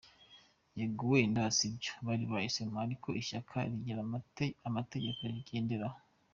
Yego wenda si byo bari bahisemo, ariko ishyaka rigira amategeko rigenderaho.